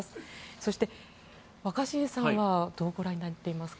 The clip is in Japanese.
そして、若新さんはどうご覧になっていますか？